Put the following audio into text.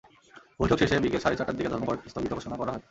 বৈঠক শেষে বিকেল সাড়ে চারটার দিকে ধর্মঘট স্থগিত ঘোষণা করা হয়।